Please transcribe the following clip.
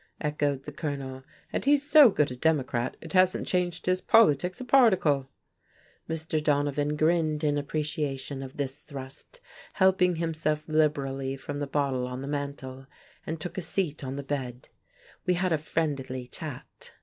echoed the Colonel, "and he's so good a Democrat it hasn't changed his politics a particle." Mr. Donovan grinned in appreciation of this thrust, helped himself liberally from the bottle on the mantel, and took a seat on the bed. We had a "friendly chat."